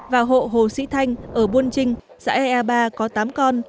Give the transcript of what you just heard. và hộ hồ sĩ thanh ở buôn trinh xã e a ba có tám con